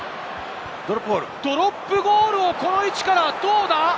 ドロップゴールをこの位置から、どうだ？